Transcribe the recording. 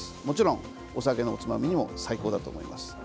もちろん、お酒のおつまみにも最高だと思います。